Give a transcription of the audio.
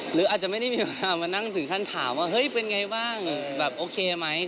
หรืออาจจะไม่ได้มีเวลามานั่งถึงขั้นถามว่าเฮ้ยเป็นไงบ้างแบบโอเคไหม